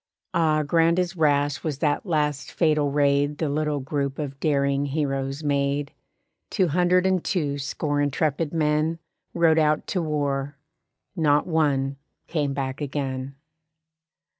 Ah, grand as rash was that last fatal raid The little group of daring heroes made. Two hundred and two score intrepid men Rode out to war; not one came back again.